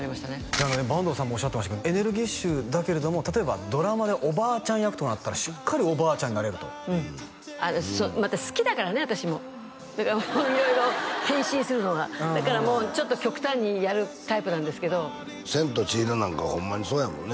何かね坂東さんもおっしゃってましたけどエネルギッシュだけれども例えばドラマでおばあちゃん役とかなったらしっかりおばあちゃんになれるとまた好きだからね私もだから色々変身するのがだからもうちょっと極端にやるタイプなんですけど「千と千尋」なんかホンマにそうやもんねあれ